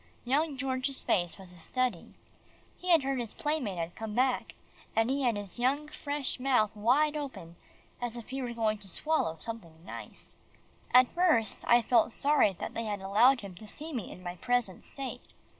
Young George's face was a study. He had heard that his playmate had come back, and he had his fresh young mouth wide open, as if he were going to swallow something nice. At first, I felt sorry that they had allowed him to see me in my present state.